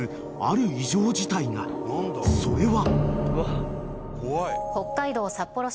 ［それは］